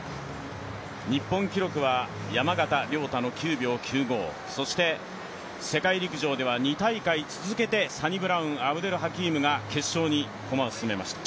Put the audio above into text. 日本記録は山縣亮太の９秒９５そして世界陸上では２大会続けてサニブラウン・ハキームが決勝に駒を進めました。